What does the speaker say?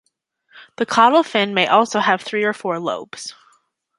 The caudal fin may also have three or four lobes.